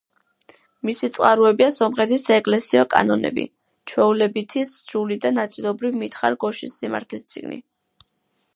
მისი წყაროებია სომხეთის საეკლესიო კანონები, ჩვეულებითი სჯული და, ნაწილობრივ, მითხარ გოშის სამართლის წიგნი.